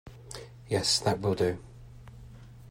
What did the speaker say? Yes, that will do.